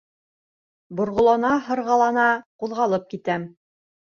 Борғолана-һырғылана ҡуҙғалып китәм.